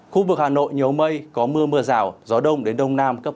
khu vực hà nội nhiều mây có mưa mưa rào gió đông đến đông nam cấp hai ba